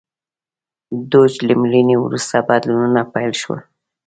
دوج له مړینې وروسته بدلونونه پیل شول.